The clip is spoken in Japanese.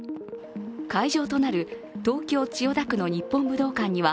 会場となる、東京・千代田区の日本武道館には